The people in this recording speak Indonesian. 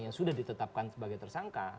yang sudah ditetapkan sebagai tersangka